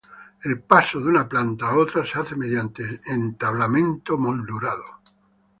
El paso de una planta a otra se hace mediante entablamento moldurado.